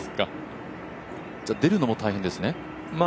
出るのも大変ですね？